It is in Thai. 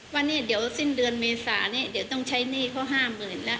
ว่านี่เดี๋ยวสิ้นเดือนเมษานี้เดี๋ยวต้องใช้หนี้เขา๕๐๐๐แล้ว